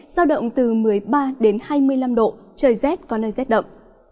giao động từ một mươi ba đến hai mươi năm độ trời rét có nơi rét đậm